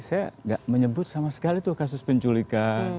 saya nggak menyebut sama sekali tuh kasus penculikan